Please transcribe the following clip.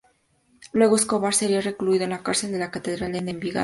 Luego, Escobar sería recluido en la Cárcel de La Catedral en Envigado.